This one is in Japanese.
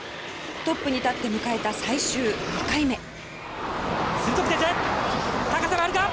トップに立って迎えた最終２回目。